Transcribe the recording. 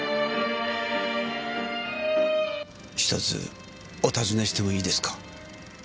１つお尋ねしてもいいですか？